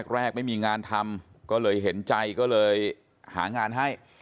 แรกไม่มีงานทำก็เลยเห็นใจก็เลยหางานให้